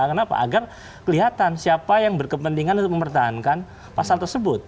kenapa agar kelihatan siapa yang berkepentingan untuk mempertahankan pasal tersebut